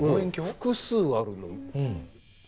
複数あるの？